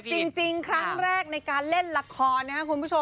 จูบจริงขังแรกในการเล่นละคร